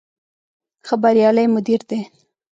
ښه بریالی مدیر دی.